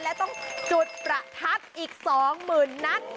และต้องจุดประทับอีก๒หมื่นนัก